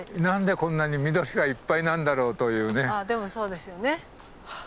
あでもそうですよね。